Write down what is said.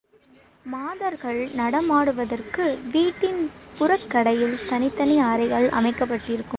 மாதர்கள் நடமாடுவதற்கு வீட்டின் புறக்கடையில் தனித்தனி அறைகள் அமைக்கப் பட்டிருக்கும்.